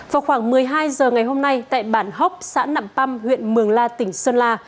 vào khoảng một mươi hai giờ ngày hôm nay tại bản hóc xã nẵm păm huyện mường la tỉnh sơn la